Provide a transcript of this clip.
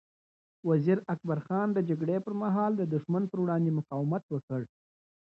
وزیر اکبر خان د جګړې پر مهال د دښمن پر وړاندې مقاومت وکړ.